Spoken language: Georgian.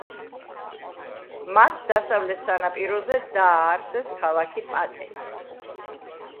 მათ დასავლეთ სანაპიროზე დააარსეს ქალაქი პატე.